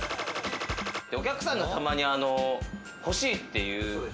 お客さんがたまに欲しいという。